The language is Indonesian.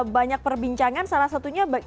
banyak perbincangan salah satunya